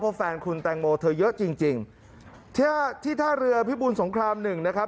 เพราะแฟนคุณแตงโมเธอเยอะจริงจริงที่ท่าเรือพิบูรสงครามหนึ่งนะครับ